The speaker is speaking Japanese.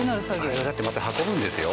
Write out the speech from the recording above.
あれをだってまた運ぶんですよ？